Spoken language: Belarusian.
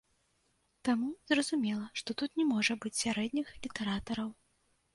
Таму, зразумела, што тут не можа быць сярэдніх літаратараў.